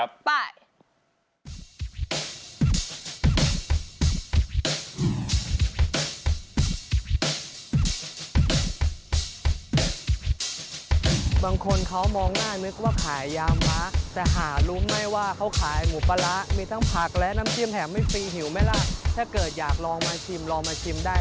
อ๋ออารมณ์ประมาณนั้นเพราะฉะนั้นเดี๋ยวไปดูรีลาการรับของพ่อคาคนนี้หน่อยครับ